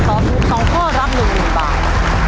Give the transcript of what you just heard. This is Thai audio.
ตอบถูก๒ข้อรับ๑๐๐๐บาท